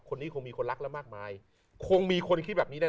คนนี้คงมีคนรักแล้วมากมายคงมีคนคิดแบบนี้แน่